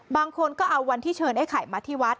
บางคนก็เอาวันที่เชิญไอ้ไข่มาที่วัด